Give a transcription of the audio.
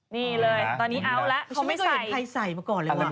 นี่เลยตอนนี้เอาล่ะเค้าไม่ใส่ไม่เคยเห็นใครใส่เมื่อก่อนเลยว่ะ